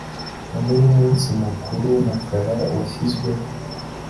Hamwe numunsi mukuru wumukara washyizweho